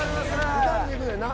２人でいくねんな